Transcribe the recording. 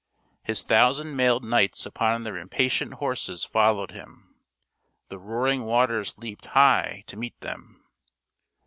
His thousand mailed knights upon their impatient horses followed him. The roaring waters leaped high to meet them.